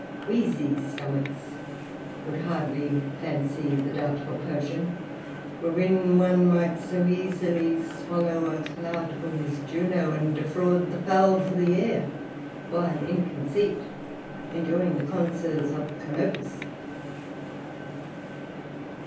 Queasy stomachs would hardly fancy the doubtful potion, wherein one might so easily swallow a cloud for his Juno, and defraud the fowls of the air while in conceit enjoying the conserves of Canopus....